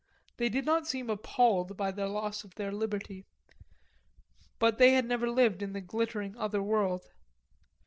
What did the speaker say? They did not seem appalled by the loss of their liberty. But they had never lived in the glittering other world.